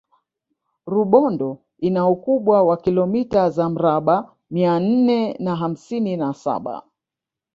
rubondo ina ukubwa wa kilomita za mraba mia nne na hamsini na saba